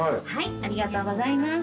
ありがとうございます。